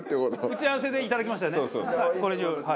打ち合わせでいただきましたよね。